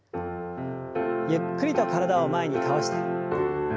ゆっくりと体を前に倒して。